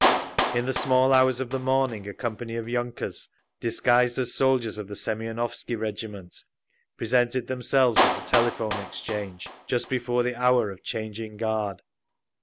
In the small hours of the morning a company of yunkers, disguised as soldiers of the Semionovsky Regiment, presented themselves at the Telephone Exchange just before the hour of changing guard.